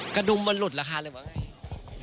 กระดุมมันหลุดแล้วค่ะเลยว่าไง